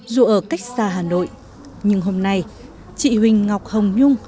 dù ở cách xa hà nội nhưng hôm nay chị huỳnh ngọc hồng nhung